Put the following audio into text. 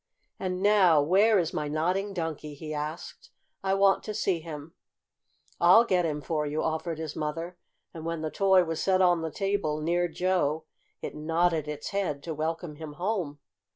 "And now where is my Nodding Donkey?" he asked. "I want to see him!" "I'll get him for you," offered his mother, and when the toy was set on the table near Joe, it nodded its head to welcome him home.